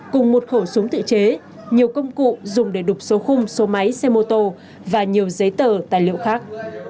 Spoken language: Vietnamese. cùng một khẩu súng tự chế nhiều công cụ dùng để đục số khung số máy xe mô tô và nhiều giấy tờ tài liệu khác